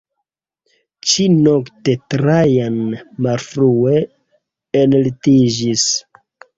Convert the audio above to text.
Ĉi-nokte Trajan malfrue enlitiĝis.